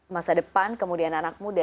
masa depan kemudian anak muda